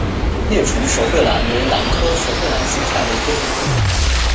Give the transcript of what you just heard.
裂唇舌喙兰为兰科舌喙兰属下的一个种。